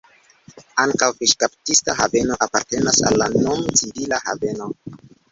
Ankaŭ fiŝkaptista haveno apartenas al la nun civila haveno.